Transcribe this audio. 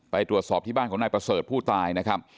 ไปตรวจสอบที่บ้านของนายประเสริฐผู้ตายนะครับ